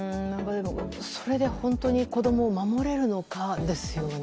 それで本当に子供を守れるのかですよね。